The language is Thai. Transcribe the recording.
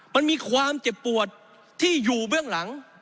มันมีความเจ็บปวดที่อยู่เบื้องหลัง